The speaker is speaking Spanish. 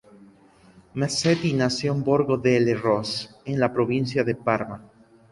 Masetti nació en Borgo delle Rose, en la provincia de Parma.